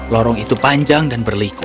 lorong itu panjang dan berliku